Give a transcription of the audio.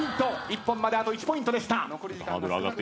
一本まであと１ポイントでした。